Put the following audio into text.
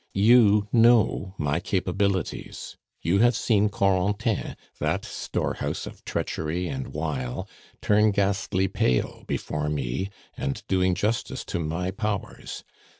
You know my capabilities. You have seen Corentin, that storehouse of treachery and wile, turn ghastly pale before me, and doing justice to my powers.